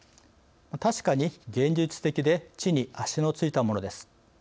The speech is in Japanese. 確かに現実的で地に足のついたものです。